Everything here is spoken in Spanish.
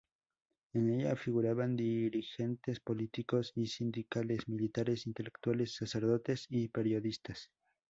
En ella figuraban dirigentes políticos y sindicales, militares, intelectuales, sacerdotes y periodistas.